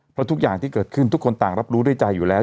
เพราะทุกอย่างที่เกิดขึ้นทุกคนต่างรับรู้ด้วยใจอยู่แล้ว